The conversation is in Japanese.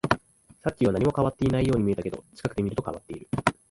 さっきは何も変わっていないように見えたけど、近くで見ると変わっている